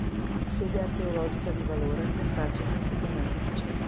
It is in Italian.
Sede archeologica di valore, con tracce di insediamenti piceni.